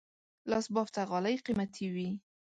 لاس بافته غالۍ قیمتي وي.